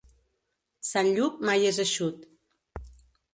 Sant Lluc mai és eixut.